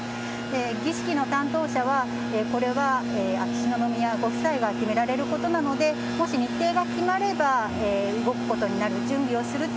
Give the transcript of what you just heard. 儀式の担当者は、これは秋篠宮ご夫妻が決められることなので、もし日程が決まれば動くことになる、準備をすると。